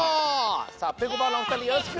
さあぺこぱのおふたりよろしく！